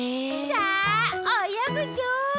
さあおよぐぞ！